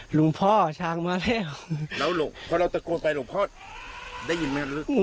หลวงพ่อช้างมาแล้วพอเราตะโกนไปหลวงพ่อได้ยินไหมหรือ